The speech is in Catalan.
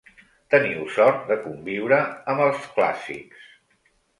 Teniu sort de conviure amb els clàssics!